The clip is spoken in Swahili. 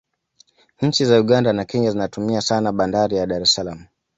nchi za uganda na kenya zinatumia sana bandar ya dar es salaam